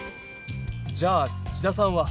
じゃあ千田さんは。